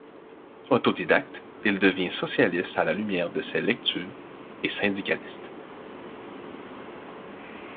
Autodidacte, il devient socialiste à la lumière de ses lectures, et syndicaliste.